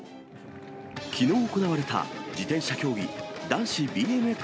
きのう行われた、自転車競技、男子ＢＭＸ